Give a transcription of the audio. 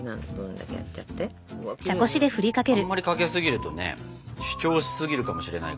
あんまりかけすぎるとね主張しすぎるかもしれないから。